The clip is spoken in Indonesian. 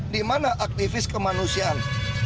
di mana aktivis kemanusiaan